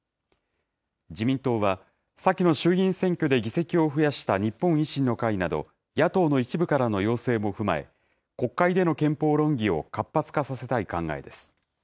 自民党は先の衆議院選挙で議席を増やした日本維新の会など、野党の一部からの要請も踏まえ、国会での憲法論議を活発化させたい考えです。